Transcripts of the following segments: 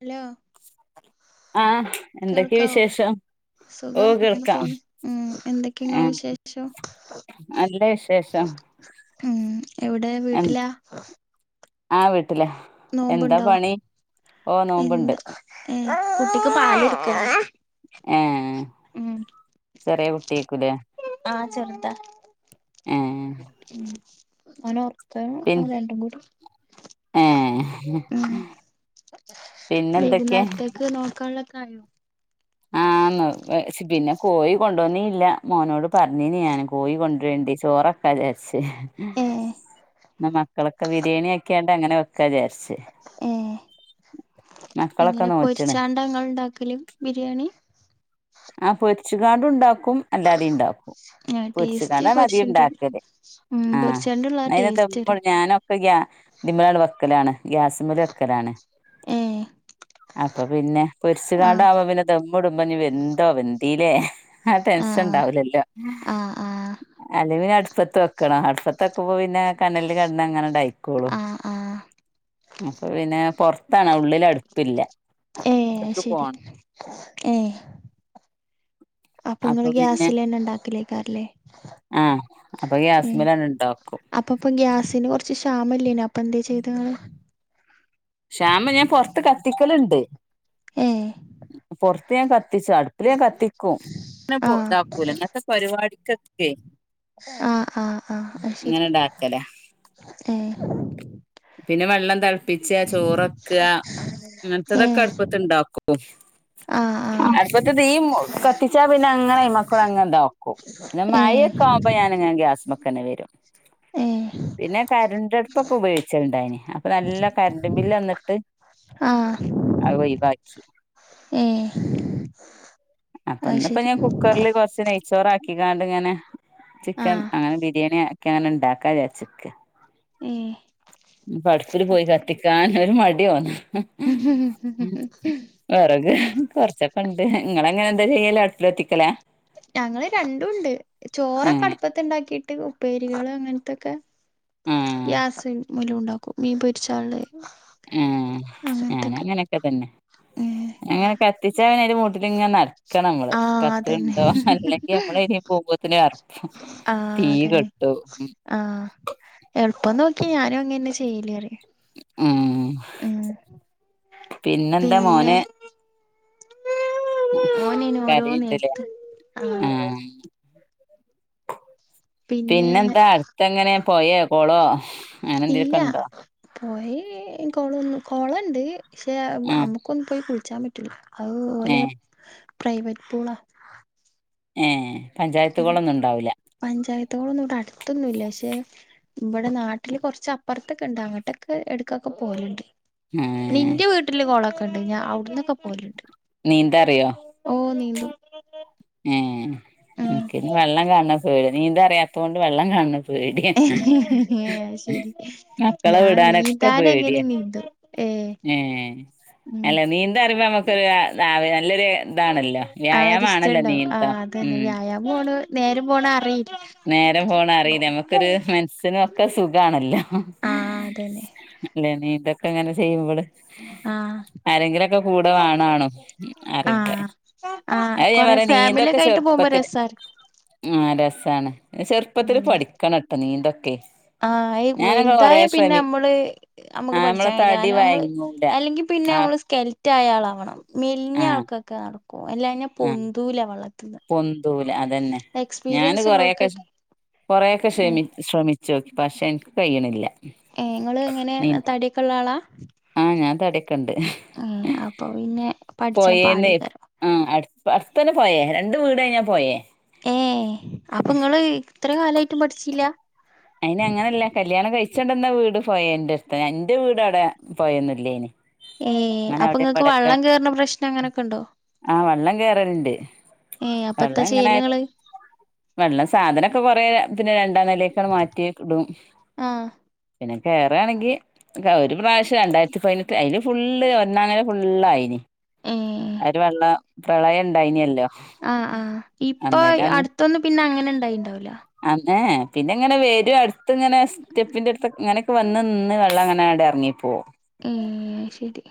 Hello ആഹ് എന്തൊക്കെ കേൾക്കാവോ വിശേഷം ഓ സുഖം അങ്ങനെ കേൾക്കാം പോണം ഉം എന്തൊക്കെയ നിങ്ങളെ വിശേഷോ നല്ലേ വിശേഷം ഉം എവിടെ വീട്ടിലാ ആഹ് വീട്ടില എന്താ നോമ്പുണ്ടോ പണി ഓഹ് നോമ്പണ്ട് ഏഹ് കുട്ടിക്ക് പാലടുക്ക ഏഹ് ഉം ചെറിയ കുട്ടിയേക്കൂലേ ആഹ് ചെറുതാ ഏഹ് ഉം ഒന ഒർക്കാ പിൻ രണ്ടും കൂടി ഏഹ് ഉം പിന്നെന്തൊക്കെ വൈകുന്നേരത്തേക്ക് നോക്കാനുള്ള കായോ ആഹ് പിന്നെ കോഴി കൊണ്ടന്നില്ല മോനോട് പറഞ്ഞീ ഞാൻ കോഴി കൊണ്ടുരണ്ടി ചോറൊക്കെ വക്കാ ജാരിച്ച ഏ മക്കളൊക്കെ ബിരിയാണി ആക്കിയാണ്ട് അങ്ങനെ വെക്കാ വിചാരിച്ച ഏഹ് മക്കളൊക്കെ എങ്ങനെ നോറ്റ്ണ് പൊരിച്ചാണ്ട നിങ്ങൾ ഉണ്ടാക്കൽ ബിരിയാണി ആഹ് പൊരിച്ചുകാട ഉണ്ടാക്കും അല്ലാതെ ഉണ്ടാക്കും ആ ടേസ്റ്റ് പൊരിച്ചുകാണ്ടാണ് അതികും പൊരിച്ചിട്ട് ഉണ്ടാക്കല് ഉം പൊരിച്ചെണ്ട ഉള്ള ആ ടേസ്റ്റ്ര് വരും ഗ വെക്കലാണ് ഗ്യാസമല വെക്കലാണ് ഏ അപ്പൊ പിന്നെ ആ പൊരിച്ചുകാണ്ട ആവാ പിന്നെ തമ്മ ഇടുമ്പോ ഇ വെന്തോ വെന്തിലേ ആഹ് ആ ടെൻഷൻ ഉണ്ടാവലല്ലോ ആ ആ അലമിൽ അടുപ്പത്ത ക്കണ അടുപ്പത്തൊക്കെ പോ പിന്നെ കനലിൽ കടന്ന് അങ്ങനെണ്ടയ്ക്കുള്ളു ആ ആ അപ്പൊ പിന്നെ പൊറത്താണ് ഉള്ളിലടുപ്പില്ല ഏഹ് ശരി ഏഹ് അപ്പൊ നിങ്ങള് ഗ്യാസില് തന്നെ ഉണ്ടാക്കലേക്കാറല്ലേ ആഹ് അപ്പൊ ഗ്യയാസ്മല ഉണ്ടാക്കും അപ്പൊ അപ്പൊ ഗ്യാസിന് കുറച്ച് ക്ഷാമല്ലേന അപ്പൊ എന്താ ചെയ്ത നിങ്ങൾ ശ്യാമം ഞാൻ പൊറത്ത് കത്തിക്കലുണ്ട് ഏഹ് റത്ത് കത്തി കത്തിച്ചു അടുപ്പിലേ കത്തിക്കും അങ്ങന ആഹ് ഇതാക്കൂല ഇങ്ങനത്തെ പരിപാടിക്ക ആഹ് ആഹ് ആഹ് ആ ശരി ഇങ്ങനെ ഇണ്ടാക്കല ഏഹ് പിന്നെ വെള്ളം ത ൾപ്പിച്ച ചോറക്ക അങ്ങനത്തതൊക്കെ ഏഹ് അടുപ്പത്തി ഇണ്ടാക്കോ ആഹ് അ ആഹ് അട്പ്പത്ത് തീ കത്തിച്ചാ പിന്നങ്ങന അയ്മക്കുട അങ്ങനെണ്ടാക്കു ന്ന ഏഹ് മയൊക്കാമ്പ ഞാ ന്ന ഞാൻ ഗ്യാസ്മക്കെന്നെ വരും ഏഹ് പിന്നെ കരന്റട്പൊക്കെ ഉപയോ ച്ചൽണ്ടായ്നി അപ്പ നല്ലൊ കര്ണ്ടുമ്പില്ലന്നിട്ട് ആഹ് അത് ഒയ്വാക്കി. ഏഹ് അത് അപ്പന്ന്പ്പോ ശരി ഞാൻ കുക്കർല് കൊർച്ച് നെയ്ച്ചോറാക്കികിണ്ട് ഇങ്ങനെ ചിക്കൻ ആഹ് അങ്ങനെ ബിരിയാണ്യാക്കാണണ്ടാക്കാ വിചാര്ച്ചിക്ക. ഉം ഇഞ്ഞിപ്പ അട്പ്പില് പോയി കത്തിക്കാൻ ഒര് മടിയോന്ന വെറക് ഉം കൊർച്ച ക്കണ്ട് ഇങ്ങളെങ്ങനെ എന്താചെയ്യല് അട്പ്പിലത്തിക്കലാ? ഞങ്ങള് രണ്ടുണ്ട് ചോറൊക്കെ ഏഹ് അട്പ്പത്തിണ്ടാക്കീട്ട് ഉപ്പേരികള് അങ്ങൻത്തൊക്കെ ആഹ് ഗ്യാസ് മലുണ്ടാക്കും മീൻ പൊര്ച്ചാള്ളെ ആഹ് ഞാനും അങ്ങനൊക്കതന്നെ ഏഹ് ഏങ്ങനെ ക ത്തിച്ചാ പിന്നെ അയ്ന്റെ മൂട്ടിലിങ്ങനെ നട ക്കണംള് ആഹ് അതന്നെ കത്തിണ്ടോ അല്ലെങ്കി നമ്മള് എയ്ലെ പോമ്പോത്തിന് അറ്പ്പും തീ ആഹ് അതന്നെ കെട്ടു. ആഹ് എൾപ്പം നോക്കി ഞാനും അങ്ങന്നെ ചെയ്യല് അറിം ഉം പിന്നെന്താ പിന്നെ മോന്. ഓനേന് ഓരോ കരീണ്ട് ലേ നേരത്ത് ആഹ് പിന്നെ എന്താ അട്ത്തെങ്ങെനെ പോയേ കൊളോ അങ്ങനെ എന്തേലൊക്കെണ്ടോ? പൊയേ കൊളോന്നും കൊളണ്ട് ഷേ അം ആഹ് അമ്മക്കൊന്നും പോയി കുൾച്ചാൻ പറ്റൂല. അത് ഓലെ ഏഹ് പ്രൈവെറ്റ് പൂളാ. ഏഹ് പഞ്ചായത്ത് കൊളൊന്നുണ്ടാവ്ല പഞ്ചായത്ത് കൊളൊന്നും ഇവ്ടെ അടുത്തൊന്നുല്ല പഷേ ഇബടെ നാട്ടില് കൊർച്ച് അപ്പർത്തെക്കെണ്ട് അങ്ങട്ടക്കെ എടക്കൊക്കെ പോല്ണ്ട്. ഏഹ് നിന്റെ വീട്ട്ല് കൊളൊക്കെണ്ട് ഞ അവ്ട്ന്നൊക്കെ പോല്ണ്ട് നീന്തറിയോ ഓഹ് നീന്തും. ഏഹ് ഉം എൻക്കിന് വെള്ളം കാണ്ണപേ നീന്താറിയാത്തോണ്ട് വെള്ളം കാണ്ണ പേടിയാ അത് ശരി മക്കളെ ഞാൻ വിടാനൊക്കെ നീന്താൻ എങ്ങനെ പേടിയാ നീന്തും ഏ ഏഹ് ഉം അല്ല നീന്തറിമ്പ അമ്മക്കൊര നാവെ നല്ലൊര് ഇതാണല്ലോ വ്യായാമാണല്ലോ? നീന്തം ആഹ് അതന്നെ ഉം വ്യായാമ്വാണ് നേരം പോണ അറീ നേരം പോണ അറീല്ല അമ്മക്കൊര് മൻസ്സിനൊക്കെ സുഖാണല്ലോ. ആഹ് അതെന്നെ. അല്ലേ നീന്തക്കങ്ങനെ ചെയ്യുമ്പള്. ആഹ് വേണാണും അറിയില്ല ആഹ് ആഹ് അത് ഞാൻ കൊറെ ഫാമില്യൊക്കായ്ട്ട് പോമ്പൊ രസ് സാര ആഹ് രസാണ് ചെർപ്പത്തില് പഠിക്കണട്ടോ നീന്തൊക്കെ ആഹ് ഈ ഞാനൊക്കെ കൊറേ വെൽതായാ പിന്നെ ശ്രമി അമ്മള് ആ അമ്മക്ക് നമ്മളെ പഠ്ച്ചാൻ കയ്യ്ല്ല തടി കാര്ണം അംള് വയങ്ങൂല അല്ലെങ്കി പിന്നെ ആ അമ്മള് സ്കെൽറ്റായ ആളാവണം ആ മെൽഞ്ഞാൾക്ക് കാർക്കും അല്ലാഞ്ഞാ ആ പൊന്തൂല്ല വള്ളത്തിന്ന്. പൊന്തൂല അതെന്നെ ഞാന് കൊറേക്കെ ഷ് ഉള്ളോർക്കൊക്കെ കൊറേക്കെ ഏ ഷമി ശ്രമിച്ചോക്കി പഷേ ഇൻക്ക് കയ്യിണില്ല. ഏഹ് ഇങ്ങള് എങ്ങനെ തട്യൊക്കെള്ളാളാ ആഹ് ഞാൻ തട്യൊക്കെണ്ട്. ഏഹ് അപ്പൊ പിന്നെ പഠ്ച്ചാ പാടേക്കാരം. ആഹ് അട് അട്ത്തെന്നെ പൊയേ രണ്ട് വീടൈഞ്ഞാ പൊയേ ഏഹ് അപ്പങ്ങള് ഇത്ര കാലായിട്ടും പഠ്ച്ചീലാ? അയിന് അങ്ങനെയല്ല കല്യാണം കഴിച്ചൊണ്ട്ന്ന വീട് പൊയേന്റെട്ത്താ ഇന്റെ വീട് അവ്ടെ പൊയേ ഒന്നും ഇല്ലെനി. ഏഹ് അപ്പ ഇങ്ങക്ക് വള്ളം കേറുന്ന പ്രശ്നം അങ്ങനെക്കെണ്ടോ? ആഹ് വള്ളം കേറല്ണ്ട് ഏ അപ്പത്താ വള്ളം ഇങ്ങനെ ചെയ്യല് നിങ്ങള് വെള്ളം സാധനമൊക്കെ കൊറെ പിന്നെ രണ്ടാം നിലൊക്കാണ് മാറ്റി ഇടും ആ പിന്നെ കേറാണെങ്കിൽ ഒരു പ്രാവശ്യം രണ്ടായിരത്തി പതിനെട്ട് അതില് ഫുള്ള് അന്നങ്ങനെ ഫുള്ളായിന് ഏ ആര് വെള്ളം പ്രളയം ഇണ്ടായിനില്ലോ ആഹ് ആഹ് ഇപ്പൊ അടുത്തൊന്നും പിന്നെ അങ്ങനെ ഇണ്ടായിണ്ടാവൂല അതെ പിന്നങ്ങനെ ഒരു അടുത്ത് ഇങ്ങനെ സ്റ്റെപ്പിൻ്റ അടുത്ത് ഇങ്ങനൊക്കെ വന്ന് നിന്ന് വെള്ളം അങ്ങനെ അവിടെ ഇറങ്ങിപ്പോം ഉം ശരി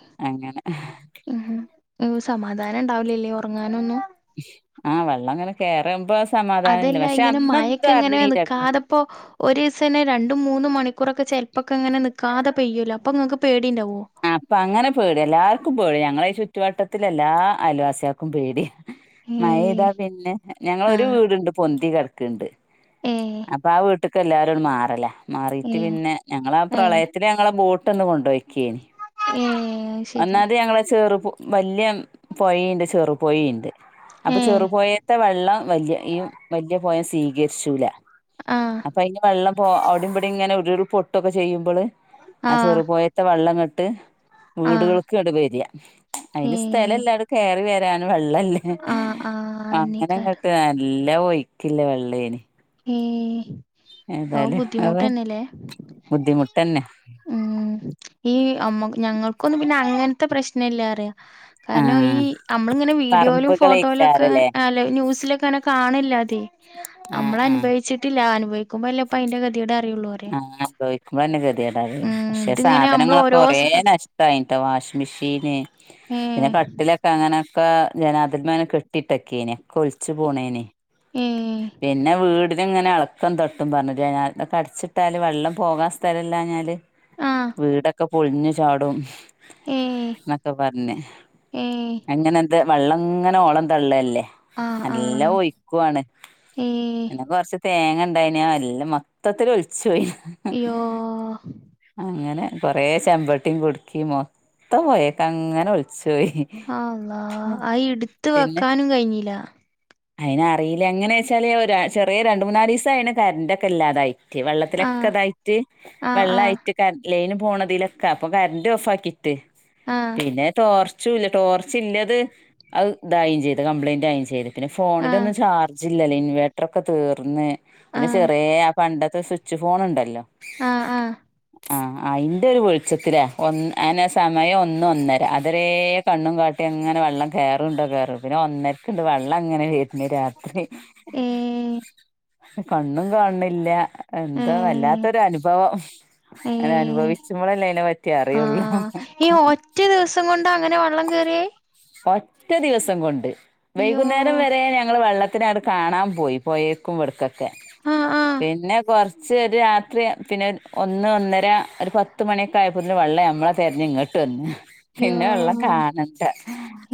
ഉ സമാധാനം ഉണ്ടാവലില്ലേ ഉറങ്ങാനൊന്നും ആഹ് വെള്ളം അങ്ങനെ കേറുമ്പോ സമാധാന ഇല്ല അതല്ല പക്ഷെ അന്നെന്തോ അറിഞ്ഞീല ഇപ്പോ ഒരിസനെ രണ്ടും മൂന്നും മണിക്കൂറൊക്കെ ചിലപ്പൊക്കെങ്ങനെ നിക്കാതെ പെയ്യല്ലോ അപ്പൊ നിങ്ങൾക്ക് പേടിണ്ടാവോ അപ്പൊ അങ്ങനെ പേടി എല്ലാർക്കും പേടി ഞങ്ങളെ ഈ ചുറ്റുവട്ടത്തില എല്ലാ അയൽവാസിക്കും പേടിയാ മയ പെയ്താ ഏ പിന്നെ ആ ഞങ്ങളൊരു വീടുണ്ട് പൊന്തി കിടക്ക്ണ്ട് ഏ അപ്പൊ ആ വീട്ട്ക്ക് എല്ലാരും മാറലാ ഏ മാറിട്ട് പിന്നെ ഞങ്ങളാ ആ ഏ പ്രളയത്തി ല്ല ഞങ്ങളെ ബോട്ട്ന്ന് കൊണ്ടോയിക്കേനി ഉം ഒന്നാത് ഞങ്ങളെ ചെറുപ വലിയ പോയേണ്ട് ചെറുപൊയേണ്ട് അപ്പൊ ഏ ചെറു പൊയേത്തെ വെള്ളം വലിയ ഈ വല്യ പൊയ സ്വീകരിച്ചൂല ആഹ് അപ്പ ഇനി വെള്ളം പോ അവിടെ ഇവടി ഇങ്ങനെ ഉരുൾ പൊട്ടുക്കെ ചെയുമ്പള് ആ ആഹ് ചെറു പൊയത്തെ വെള്ളം ഇങ്ങട് ആഹ് വീടുകൾക്ക് ഇങ്ങട് വാര്യ അയ്ന് സ്ഥലല്ല ഏഹ് എല്ലാം കെറി വരാൻ വെള്ളല്ല ആഹ് ആഹ് അങ്ങനെ അന്നേക്കാരം ഇങ്ങട്ട് നല്ല ഒയ്ക്കില്ല വെള്ളേന് ഏഹ് അത് ഏതായാലും അവ ബുദ്ധിമുട്ടന്നെല്ലേ ബുദ്ധിമുട്ടന്നെ ഉം ഈ അമ്മ ഞങ്ങൾക്കൊന്നും പിന്നെ അങ്ങനത്തെ പ്രശ്നല്ല അറിയോ കാരണം ഈ ആഹ് നമ്മളിങ്ങനെ വീഡിയോയിലും ഫോട്ടോയിലും ഒക്കെ പറമ്പുകളേക്കാരല്ലേ അല്ലെ ന്യൂസിലൊക്കെ അങ്ങനെ കാണില്ലാ അതെ ആഹ് നമ്മള് ആഹ് അനുഭവിച്ചിട്ടില്ല അനുഭവിക്കുമ്പോ അല്ലേ അപ്പ അയിന്റെ [unintelligible] അറിയുള്ളൂ അറിയാ ആ അനുഭവിക്കുമ്പോ തന്നെ [unintelligible] പക്ഷെ ഇതിങ്ങനെ നമ്മള് സാധനങ്ങളൊക്കെ ഓരോ കൊറെ സ നഷ്ട്ടായിട്ടോ വാഷിംഗ് മെഷീന് പിന്നെ ഏഹ് കട്ടിലൊക്കെ അങ്ങനൊക്കെ [unintelligible] കെട്ടി ഇട്ടക്കേനെ ഒക്കെ ഒലിച്ച് പോണേനെ ഏഹ് പിന്നെ വീടിനിങ്ങനെ എളക്കം തട്ടും പറഞ്ഞില്ലേ ഞാൻ അടിച്ചി ട്ടാല് വെള്ളം പോകാൻ സ്ഥലല്ലഞ്ഞാല് ആഹ് വീടൊക്കെ പൊളിഞ്ഞു ചാടും ഏഹ് എന്നൊക്കെ പറഞ്ഞ് ഏഹ് അങ്ങനെ അത് വെള്ളം ഇങ്ങനെ ഓളം തള്ളല്ലേ ആഹ് നല്ല ആഹ് ഒഴിക്കുവാണ് ഏഹ് പിന്നെ കുറച്ച് തേങ്ങ ഇണ്ടായിനി അല്ല മൊത്തത്തിൽ ഒലിച്ചു പോയി അയ്യോ അങ്ങനെ കൊറെ ചെമ്പട്ടിയും കുടുക്കി മൊത്തം പോയക്കെ അങ്ങനെ ഒളിച്ചുപോയി അല്ലാഹ് ആ ഇടുത്ത് വെക്കാനും കഴിഞ്ഞില്ല അയിന് അറീല്ല എങ്ങനെ വെച്ചാല് ചെറിയ രണ്ട് മുന്നാലിസായി അയ്ന് കറന്റക്കെ ഇല്ലാതായി വെള്ളത്തിലൊക്കെ ആഹ് ഇതായി ആഹ് ആഹ് വെള്ളായിട്ട് ലൈന് പോണതിലൊക്കെ അപ്പൊ കറണ്ട് ഓഫ് ആക്കിട്ട് പിന്നെ ടോർ ടോർച്ച് ഇല്ലത് അത് ഇതാവുവേം ചെയ്ത് കംപ്ലയിന്റ് ആവേം ചെയ്ത് പിന്ന ന്ന ആഹ് ആഹ് ഫോണിലൊന്നും ചാർജ് ജില്ലല്ലോ ഇൻവേർട്ടർ ഒക്കെ തീർന്ന് പിന്നെ ആഹ് ചെറേ ആ പണ്ടത്തെ സ്വിച്ച് ഫോൺ ഉണ്ടല്ലോ ആഹ് ആഹ് ആ അയിന്റെ ഒരു വെളിച്ചത്തിലാ ഒന്ന് അനെ സമയം ഒന്ന് ഒന്നര അതരേ കണ്ണും കാ എങ്ങനെ വെള്ളം കേറുണ്ടോ കേയറും പിന്നെ ഒന്നരക്ക ഉണ്ട് വള്ളം അങ്ങനെ അന്നെ രാത്രി ഏഹ് കണ്ണും കാണണില്ല എന്താ ഏഹ് വല്ലാത്തൊരു അനുഭവം അങ്ങനെ ഏഹ് അനുഭവിച്ച്പോളല്ലേ അയണേ പറ്റിയ അറിയുള്ളൂ കൊണ്ടാ അങ്ങനെ വെള്ളം കേറിയെ ഒറ്റ ദിവസം കൊണ്ട് യ്യോ വൈകുന്നേരം വരെ ഞങ്ങള്ൾ വെള്ളത്തി അനട് കാണാൻ പോയി പോയേക്കും ഇടക്കൊക്കെ ആഹ് ആഹ് പിന്നെ കുറച്ച് ഒരു രാത്രി പിന്നെ ഒന്ന് ഒന്നര ഒരു പത്ത് മണിയൊക്കെ ആയപ്പോതിന് വെള്ളം നമ്മളെ തിരഞ് ഇങ്ങോട്ട് ട്ടന്ന യാ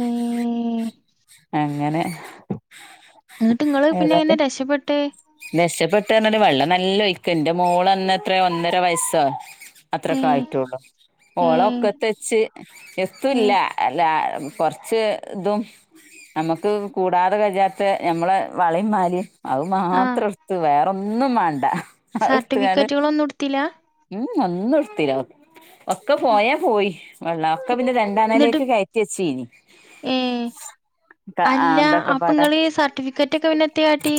ഉം അങ്ങനെ എന്നിട്ട് നിങ്ങൾ പിന്നെ എങ്ങനെ രക്ഷപ്പെട്ടെ രക്ഷപ്പെട്ട പറഞ്ഞല് വെള്ളം നല്ലോഴിക്ക എന്റെ മോളന്ന എത്രയോ ഒന്നര വയസോ അത്രക്കെ ഏഹ് ആയിട്ടുള്ളൂ ഏഹ് ഓളൊക്കെ തച്ച് എത്തുല്ല ഏഹ് അല്ല കുറച്ച് ഇതും നമക്ക് കൂടാതെ കഴിയാത്ത നമ്മടെ വളീം മാലിം അത് ആഹ് മാത്രം എടുത്ത് വേറെൊ ഒന്നും വേണ്ട അടുത്ത്കാണ്ട് സർട്ടിഫിക്കറ്റുകളൊന്നും എടുത്തില്ല ഉം ഒന്നും എടുത്തീരാ ഒക്കെ പോയാ പോയി വെള്ള ഒക്കെ പിന്നെ എന്നിട്ട് രണ്ടാന്നലേക്ക് കയറ്റ വെച്ചീനി ഏഹ് ആഹ് ദൊക്ക പാട വിക്കറ്റ്റ്റൊക്ക വിനത്തിയാട്ടി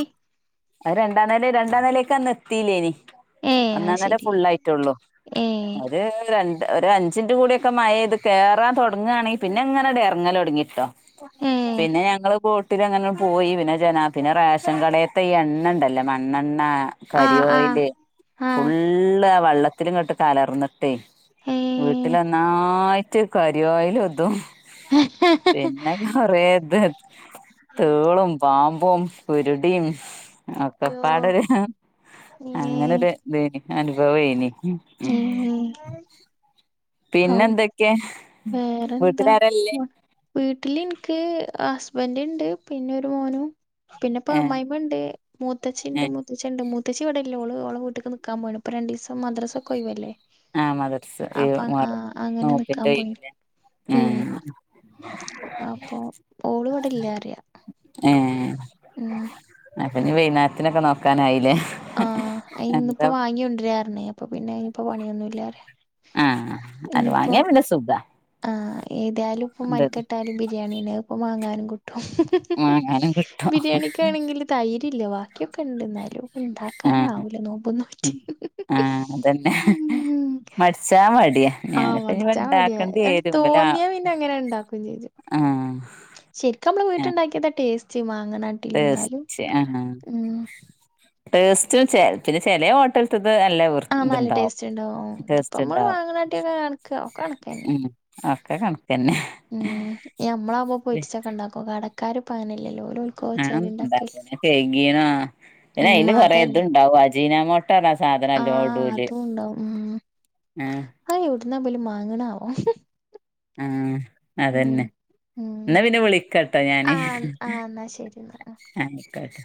രണ്ടാം നില രണ്ടാം നിലക്കെന്ന് എത്തില്ലേനി ഏഹ് അത് ഒന്നാംന്നലാ ശരി ഫുുള്ളായിട്ടള്ളു ഏഹ് ഒരു രണ്ട് ഒരഞ്ചിൻ് കൂടിയൊക്കെ മഴ ഇത് കയറാൻ തുടങ്ങുകയാണെങ്കിൽ ന്നെങ്ങനെ ഇറങ്ങൽ തുടങ്ങിട്ടോ ഏഹ് പിന്നെ ഞങ്ങള് വോട്ടിലങ്ങനെ പോയി പിന്നെ ജനാത്തിെ റേഷൻ കട ഇ എണ്ണ ഉണ്ടല്ലോ മണ്ണെണ്ണ കരി ആഹ് ആഹ് ഓയില് ഫുള്ള് ആഹ് ഫുള്ള് ആ വെള്ളത്തിലുംങ്ങട്ട് കലർന്നിട്ടെ ഏഹ് വീട്ടിലന്നായി റ്റ് കരി ഓയിലതും പിന്നെ കൊറേ ഇത് തേളും പാമ്പും പുരുടിയും യ്യോ ഒക്കപ്പാടര് ഏഹ് അങ്ങനെരു ഇതനി അനുഭവേനി ഏഹ് ഔ പിന്നെന്തൊക്കെ വീട്ടുലാരാരല്ലേയ് വീട്ടിൽ ഇനിക്ക് ഹസ്ബൻറ്ണ്ട് പിന്നെ ഒരു മോനും പിന്നെപ്പോ ഏഹ് അമ്മമായിമണ്ട് മുൂത്തച്ച്ചിണ്ട് ഏഹ് മുത്തച്ചണ്ട് മ മുത്തച്ച ഇടെല്ലോ ഓ ഓള വീട്ടക്ക്ൽക്കാ പോണ് ഇപ്പ രണ്ട്സം മദ്രസ ഒക്കെ ലേവല്ലേ ആഹ് മദർസ് എ മാർ അങ്ങനെ നിക്കാൻ നോപ്പിന്റെ പോയിണ് [unintelligible] ആ ഉം അപ്പൊ ഓളപടല്ല അറിയാ ഉം അപ്പനി വെനാത്തിനൊക്കെ നോക്കാനായില്ലേ ആഹ് അ ഇന്നിപ്പോ എന്താ വാങ്ങിയൊണ്ടിരാരുന്നേ അപ്പൊ പിന്നെ ഇനിയിപ്പോ പണിയൊന്നുംല്ലറിയ ആഹ് അത് വാങ്ങിയാ പിന്ന സുഖ ആഹ് ഏതായാലും ഇപ്പ മൽക്കെട്ടാലും ബിരിയാണീ ഇപ്പ മാാങ്ങാനും കിട്ടും വാങ്ങാനും കിട്ടും ബിരിയാണിക്കാണെങ്കിൽ തൈര്ല്ല ബാക്യം ഇണ്ട എന്നാലും ആഹ് ഇണ്ടാക്കാനാവൂല നോമ്പന്നോറ്റി ന്നെ മടിച്ചാ മടിയ ആഹ് മടിച്ചാ മടിയ തോന്നിയാ പിന്നെ അങ്ങനെ ഉണ്ടാക്കയും ചെയ്തു ആഹ് ശരിക്കും നമ്മള് വീട്ടുണ്ടാക്കിയത ടേസ്റ്റ് മാങ്ങനാട്ട് തീർച്ചയാണ് ടേസ്റ്റും പിന്നെ ചെല ഹോട്ടലത്ത ഇത് അല്ല ആഹ് നല ടേസ്റ്റ് ഉണ്ടാവും ഇതിപ്പോ നമ്മൾ ഇണ്ടാവും വാങ്ങനാട്ടിയൊക്കെ കണക്ക ഒക്കെ കണക്കന്നെ ഉം ഒക്കെ കണക്കന്നെ ഉം ഞമ്മളാവുമ്പ പൊരിച്ചൊക്കെ ണ്ടാക്കും കടക്കാര്പനല്ലല്ലോ ഓരോ ആഹ് ഭക്ഷണംകെയ്കീണോ പിന്നെ ഉം അതിൽ കൊറെേ അതന്നെ ത്ണ്ടാവും അജീനാമോട്ടോ അജിനാമോട്ടോറഞ്ഞ സാധനല്ലോ ആഹ് ഇടൂഓല് ആഹ് ആഹ് എവ്ട്ന്നാ ബൽ മാങ്ണാവോ ആഹ് അതന്നെ ഉം എന്നാ പിന്നെ വിളിക്കട്ടോ ഞാന് ആഹ് ആഹ് എന്നാ ശരി എന്നാ ആഹ് ശ്കശ്